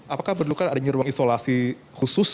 apakah perlukan adanya ruang isolasi khusus